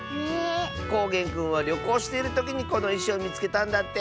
こうげんくんはりょこうしているときにこのいしをみつけたんだって！